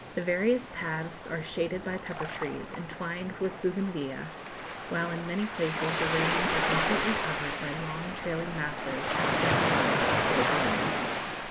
The various paths are shaded by pepper trees, entwined with bougainvillæa, while in many places the railings are completely covered by long trailing masses of stephanotis in full bloom.